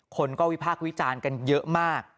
คนก็วิพากษ์วิจารณ์กันเยอะมาก